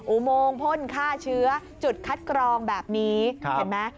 อุโมงพ่นฆ่าเชื้อจุดคัดกรองแบบนี้เห็นไหม